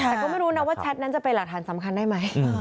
แต่ก็ไม่รู้นะว่าแชทนั้นจะเป็นหลักฐานสำคัญได้ไหม